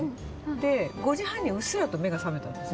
で、５時半にうっすらと目が覚めたんです。